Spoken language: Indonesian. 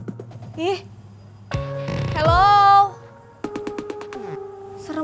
serem amat sih ngetok pintu